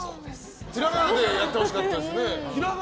ひらがなでやってほしかったですよね。